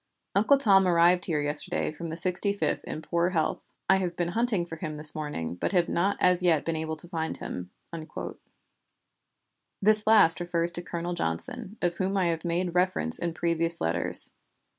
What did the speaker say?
Uncle Tom arrived here yesterday from the Sixty fifth in poor health. I have been hunting for him this morning, but have not as yet been able to find him." This last refers to Colonel Johnson, of whom I have made reference in previous letters.